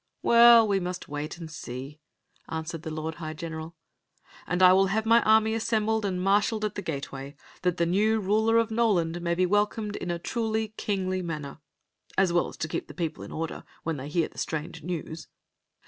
" We must wait and see," answered the lord high general. "And I will have my army assembled and marshaled at the gateway, that the new ruler of Noland may be welcomed in a truly kingly manner, as well as to keep the people in order when they hear the strange news."